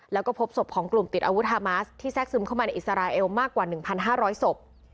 แล้วก็พบศพของกลุ่มติดอาวุธฮามาสที่แทรกซึมเข้ามาในอิสราเอลมากกว่า๑๕๐๐ศพ